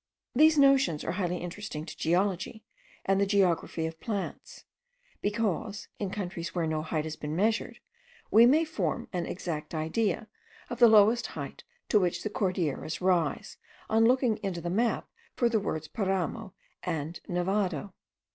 These notions are highly interesting to geology and the geography of plants; because, in countries where no height has been measured, we may form an exact idea of the lowest height to which the Cordilleras rise, on looking into the map for the words paramo and nevado.